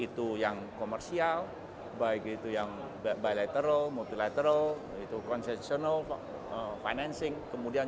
itu yang komersial baik itu yang bilateral multilateral itu consentional financing kemudian